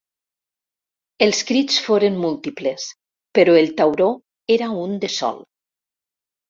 Els crits foren múltiples, però el tauró era un de sol.